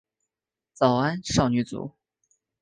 早安少女组。